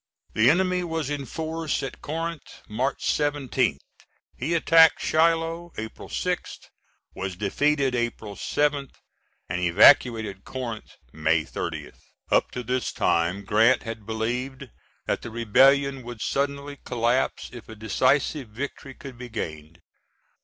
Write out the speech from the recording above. The enemy was in force at Corinth, March 17th. He attacked Shiloh, April 6th, was defeated April 7th, and evacuated Corinth May 30th. Up to this time, Grant had believed that the rebellion would suddenly collapse if a decisive victory could be gained.